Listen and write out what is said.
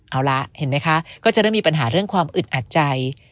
เอาละเห็นไหมคะก็จะเริ่มมีปัญหาเรื่องความอึดอัดใจ